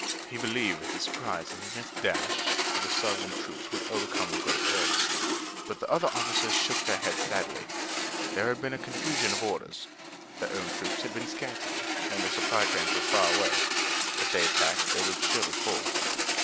He believed that the surprise and the immense dash of the Southern troops would overcome the great odds. But the other officers shook their heads sadly. There had been a confusion of orders. Their own troops had been scattered and their supply trains were far away. If they attacked they would surely fall.